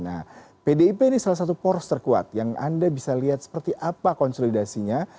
nah pdip ini salah satu poros terkuat yang anda bisa lihat seperti apa konsolidasinya